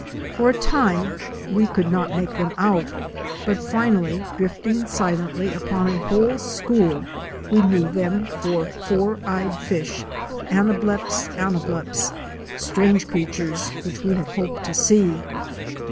For a long time we could not make them out, but finally, drifting silently upon a whole school, we knew them for four eyed fish (Anableps anableps) — strange creatures which we had hoped to sce. THE LAND OF A SINGLE TREE.